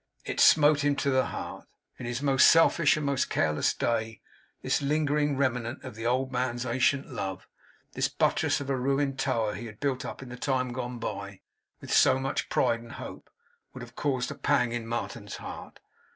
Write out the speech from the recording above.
It smote him to the heart. In his most selfish and most careless day, this lingering remnant of the old man's ancient love, this buttress of a ruined tower he had built up in the time gone by, with so much pride and hope, would have caused a pang in Martin's heart.